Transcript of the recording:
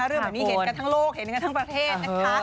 เรื่องแบบนี้เห็นกันทั้งโลกเห็นกันทั้งประเทศนะคะ